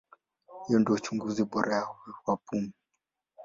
Hii ndio uchunguzi bora wa pumu.